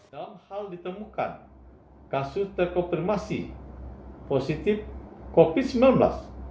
dalam hal ditemukan kasus terkonfirmasi positif covid sembilan belas